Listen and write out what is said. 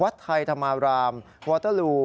วัดไทยธรรมารามวอเตอรู